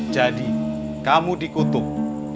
jadi kamu dikutuk